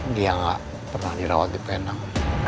dia nggak pernah dirawat di penang